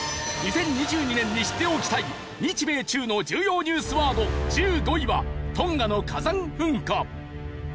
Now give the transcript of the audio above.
２０２２年に知っておきたい日米中の重要ニュースワード１５位はトンガの火山噴火。